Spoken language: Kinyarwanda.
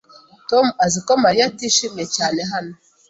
Tom azi ko Mariya atishimiye cyane hano.